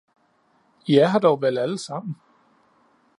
I er her dog vel alle sammen